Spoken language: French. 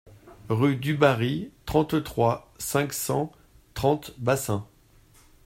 Rue Dubarry, trente-trois, cinq cent trente Bassens